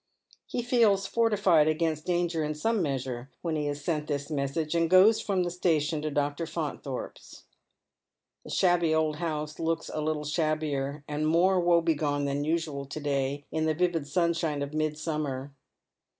He feels fortified against danger in fiome measure when he has sent this message, and goes from the station to Dr. Faunthorpe's. The shabby old house looks a little shabbier and more woe brgone than usual to day in the vivid sunshine of mid, summer.